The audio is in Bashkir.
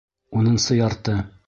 Унынсы ярты.